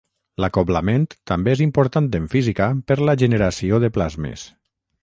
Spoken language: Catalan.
L'acoblament també és important en física per la generació de plasmes.